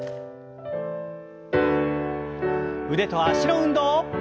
腕と脚の運動。